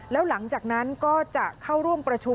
แล้วหลังจากนั้นก็จะเข้าร่วมประชุม